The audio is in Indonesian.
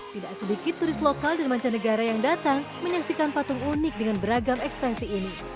tidak sedikit turis lokal dan mancanegara yang datang menyaksikan patung unik dengan beragam ekspresi ini